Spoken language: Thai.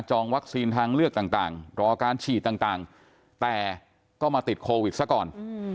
วัคซีนทางเลือกต่างรอการฉีดต่างแต่ก็มาติดโควิดซะก่อน